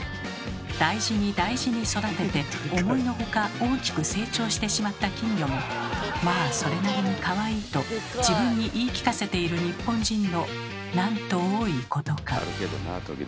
大事に大事に育てて思いのほか大きく成長してしまった金魚もまあそれなりにかわいいと自分に言い聞かせている日本人のなんと多いことか。